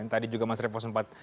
tadi juga mas revo sempat